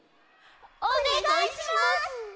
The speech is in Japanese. おねがいします！